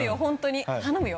頼むよ